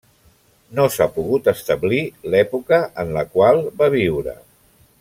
No s'ha pogut establir l'època en la qual va viure.